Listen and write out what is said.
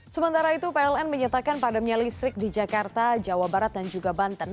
sementara itu pln menyatakan padamnya listrik di jakarta jawa barat dan juga banten